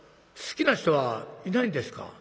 好きな人はいないんですか？」。